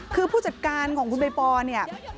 คือผู้จัดการของคุณใบปอเนี่ย